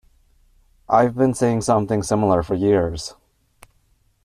I've been saying something similar for years.